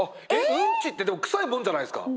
うんちってでも臭いもんじゃないですか。